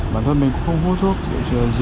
bản thân mình cũng không hút thuốc chữa trị là gì